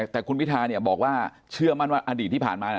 แต่คุณพิธาบอกว่าเชื่อมั่นว่าอดีตที่ผ่านมา